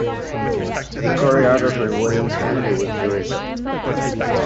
The choreographer wasn't happy with the result.